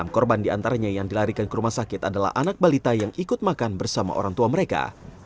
enam korban diantaranya yang dilarikan ke rumah sakit adalah anak balita yang ikut makan bersama orang tua mereka